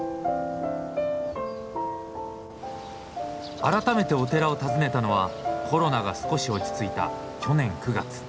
改めてお寺を訪ねたのはコロナが少し落ち着いた去年９月。